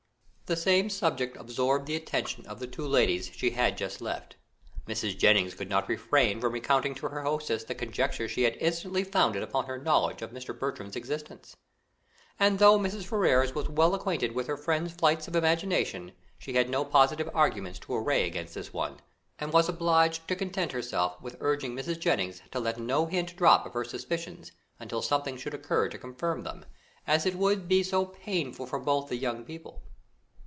The same subject absorbed the attention of the two ladies she had just left. Mrs. Jennings could not refrain from recounting to her hostess the conjecture she had instantly founded upon her knowledge of Mr. Bertram's existence; and though Mrs. Ferrars was well acquainted with her friend's flights of imagination, she had no positive arguments to array against this one, and was obliged to content herself with urging Mrs. Jennings to let no hint drop of her suspicions until something should occur to confirm them, as it would be so painful for both the young people.